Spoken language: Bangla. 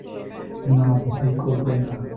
না ভয় করবে না।